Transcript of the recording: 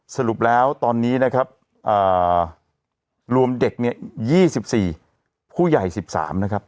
สรุปแล้วตอนนี้นะครับรวมเด็กเนี่ย๒๔ผู้ใหญ่๑๓นะครับ